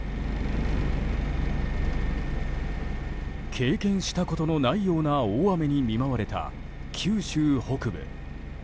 経験したことのないような大雨に見舞われた九州北部。